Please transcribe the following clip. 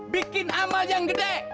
bikin amal yang gede